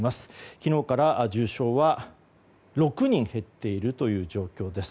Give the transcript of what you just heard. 昨日から重症は６人減っているという状況です。